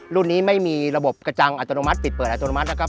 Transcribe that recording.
รุ่นนี้ไม่มีระบบกระจังอัตโนมัติปิดเปิดอัตโนมัตินะครับ